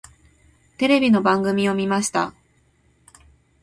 テレビの番組を見ました。